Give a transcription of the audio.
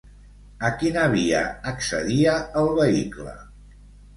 A quina via accedia, el vehicle?